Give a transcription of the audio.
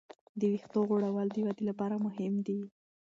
د وېښتو غوړول د ودې لپاره مهم دی.